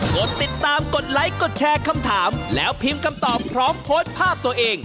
กดติดตามกดไลค์กดแชร์คำถามแล้วพิมพ์คำตอบพร้อมโพสต์ภาพตัวเอง